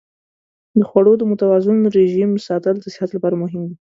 د خوړو د متوازن رژیم ساتل د صحت لپاره مهم دی.